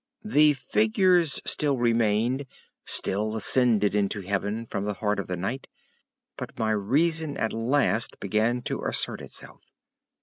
The figures still remained, still ascended into heaven from the heart of the night, but my reason at last began to assert itself.